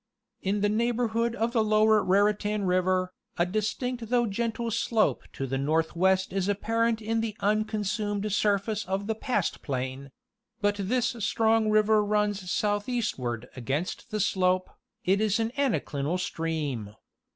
In the neighborhood of the lower Raritan river, a distinct though gentle slope to the northwest is apparent in the unconsumed surface of the pastplain; but this strong river runs southeastward against the slope; it is an anaclinal stream.